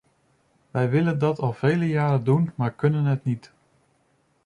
Wij willen dat al vele jaren doen, maar kunnen het niet.